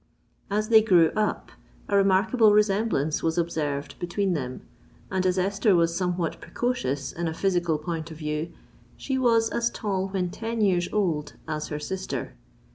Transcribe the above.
As they grew up, a remarkable resemblance was observed between them; and as Esther was somewhat precocious in a physical point of view, she was as tall when ten years old as her sister.